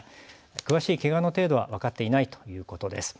詳しいけがの程度は分かっていないということです。